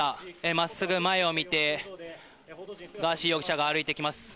まっすぐ前を見て、ガーシー容疑者が歩いてきます。